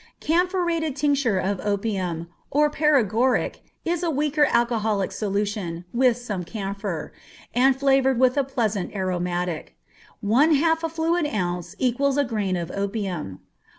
Camphorated tincture of opium, or Paregoric, is a weaker alcoholic solution, with some camphor, and flavored with a pleasant aromatic. One half a fluid ounce equals a grain of opium.